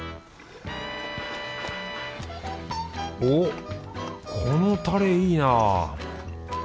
おっこのタレいいなぁ。